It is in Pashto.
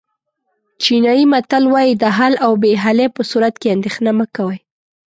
چینایي متل وایي د حل او بې حلۍ په صورت کې اندېښنه مه کوئ.